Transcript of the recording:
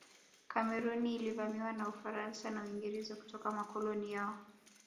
Kameruni ilivamiwa na Ufaransa na Uingereza kutoka makoloni yao